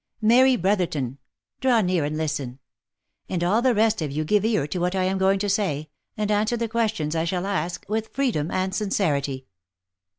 — Mary Brotherton ! Draw near and listen. — And all the rest of you give ear to what I am going to say, and answer the questions I shall ask with freedom and sincerity."